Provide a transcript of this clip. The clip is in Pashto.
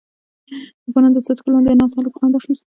• د باران د څاڅکو لاندې ناست هلک خوند اخیست.